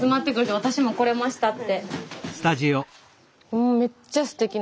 もうめっちゃすてきなおうち。